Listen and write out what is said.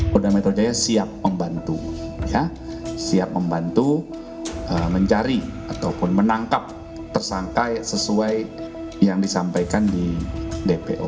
polda metro jaya siap membantu siap membantu mencari ataupun menangkap tersangka sesuai yang disampaikan di dpo